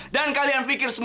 sampai jumpa agents